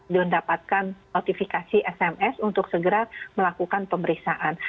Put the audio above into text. dan dapatkan notifikasi sms untuk segera melakukan pemeriksaan